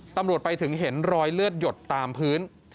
ตำรวจไปถึงเห็นรอยเลือดหยดตามพื้น